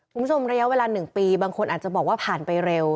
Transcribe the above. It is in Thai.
คุณผู้ชมระยะเวลา๑ปีบางคนอาจจะบอกว่าผ่านไปเร็ว